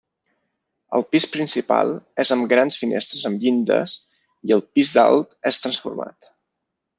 El pis principal és amb grans finestres amb llindes i el pis alt és transformat.